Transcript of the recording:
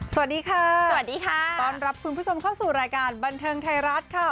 สวัสดีค่ะสวัสดีค่ะต้อนรับคุณผู้ชมเข้าสู่รายการบันเทิงไทยรัฐค่ะ